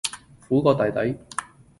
苦過弟弟